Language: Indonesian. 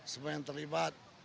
semua yang terlibat